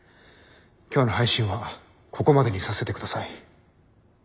今日の配信はここまでにさせてください。